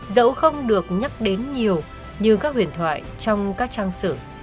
dẫu không được nhắc đến nhiều như các huyền thoại trong các trang sử